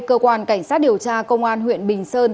cơ quan cảnh sát điều tra công an huyện bình sơn